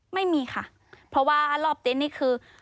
ไม่มีค่ะเพราะว่ารอบเต็นต์นี่คือ